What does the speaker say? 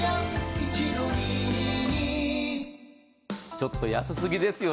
ちょっと安すぎですよ。